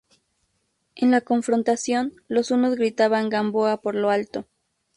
En la confrontación, los unos gritaban, "¡Gamboa, por lo alto!